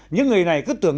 những người này cứ tưởng